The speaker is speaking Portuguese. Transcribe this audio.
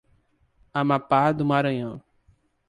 Amapá do Maranhão